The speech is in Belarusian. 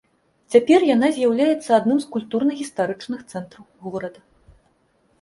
Цяпер яна з'яўляецца адным з культурна-гістарычных цэнтраў горада.